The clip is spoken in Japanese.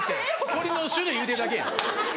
鳥の種類言うてるだけやん。